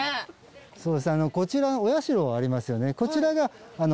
こちらお社ありますよねこちらが。